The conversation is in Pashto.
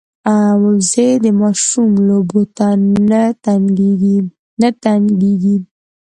وزې د ماشوم لوبو ته نه تنګېږي